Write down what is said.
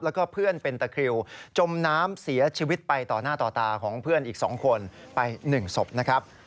แล้วก็เพื่อนเป็นตะคริวจมน้ำเสียชีวิตไปต่อหน้าต่อตาของเพื่อนอีก๒คนไป๑ศพนะครับ